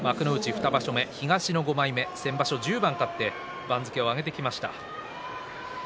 ２場所目、東の５枚目先場所１０番勝って番付を上げてきました。